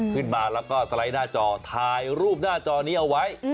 ขึ้นมาแล้วก็สไลด์หน้าจอถ่ายรูปหน้าจอนี้เอาไว้